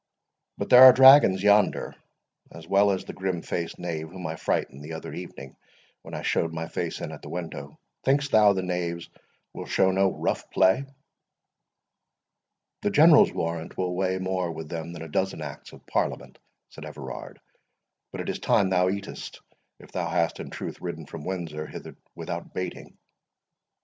But there are dragoons yonder, as well as the grim faced knave whom I frightened the other evening when I showed my face in at the window. Think'st thou the knaves will show no rough play?" "The General's warrant will weigh more with them than a dozen acts of Parliament," said Everard.—"But it is time thou eatest, if thou hast in truth ridden from Windsor hither without baiting."